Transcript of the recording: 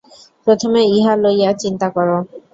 প্রথমে ইহা লইয়া চিন্তা কর।